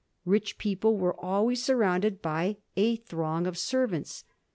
Rich people were always surrounded by a throng of servants.